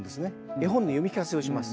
絵本の読み聞かせをします。